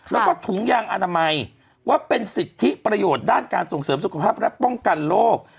แล้วก็ถุงยางอนามัยว่าเป็นสิทธิประโยชน์ด้านการส่งเสริมสุขภาพและป้องกันโรค